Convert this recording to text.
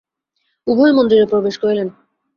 উভয়ে মন্দিরে প্রবেশ করিলেন।